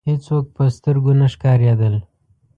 هېڅوک په سترګو نه ښکاریدل.